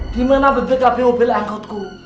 dimana bebek hp mobil angkotku